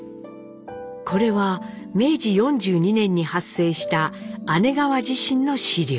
これは明治４２年に発生した姉川地震の資料。